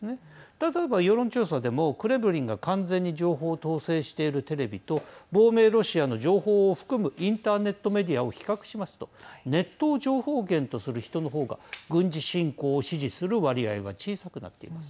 例えば世論調査でもクレムリンが完全に情報統制しているテレビと亡命ロシアの情報を含むインターネットメディアを比較しますとネットを情報源とする人の方が軍事侵攻を支持する割合は小さくなっています。